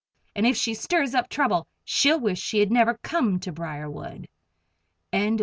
"And if she stirs up trouble, she'll wish she had never come to Briarwood!"